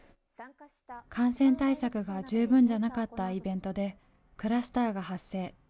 感染対策が十分じゃなかったイベントでクラスターが発生。